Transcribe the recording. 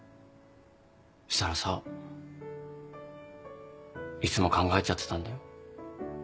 そしたらさいつも考えちゃってたんだよ。